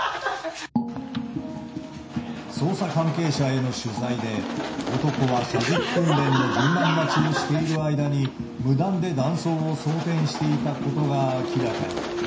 捜査関係者への取材で、男は射撃訓練の順番待ちをしている間に、無断で弾倉を装填していたことが明らかに。